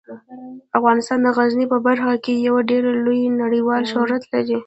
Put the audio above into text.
افغانستان د غزني په برخه کې یو ډیر لوړ نړیوال شهرت لري.